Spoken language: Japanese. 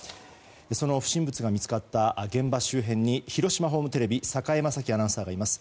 不審物が見つかった現場周辺に広島ホームテレビ榮真樹アナウンサーがいます。